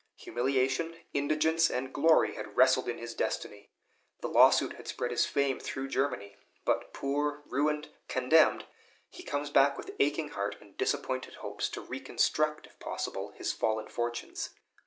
Humiliation, indigence, and glory had wrestled in his destiny. The lawsuit had spread his fame through Germany; but poor, ruined, condemned, he comes back with aching heart and disappointed hopes to reconstruct, if possible, his fallen fortunes.